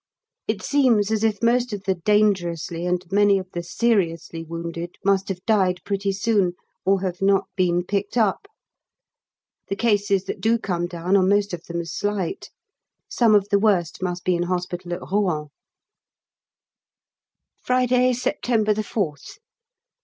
It seems as if most of the "dangerously" and many of the "seriously" wounded must have died pretty soon, or have not been picked up. The cases that do come down are most of them slight. Some of the worst must be in hospital at Rouen. _Friday, September 4th. R.M.